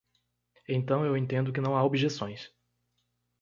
Então eu entendo que não há objeções.